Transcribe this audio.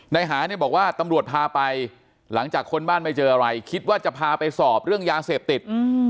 หาเนี่ยบอกว่าตำรวจพาไปหลังจากคนบ้านไม่เจออะไรคิดว่าจะพาไปสอบเรื่องยาเสพติด